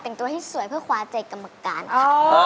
แต่งตัวที่สวยเพื่อคว้าใจกรรมการค่ะ